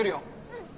うん。